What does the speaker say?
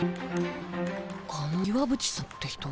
あの岩渕さんって人。